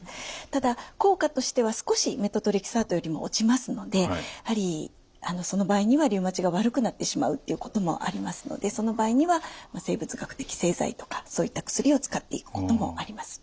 ただ効果としては少しメトトレキサートよりも落ちますのでやはりその場合にはリウマチが悪くなってしまうっていうこともありますのでその場合には生物学的製剤とかそういった薬を使っていくこともあります。